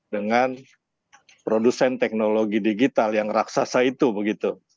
dengan produsen teknologi digital yang raksasa itu begitu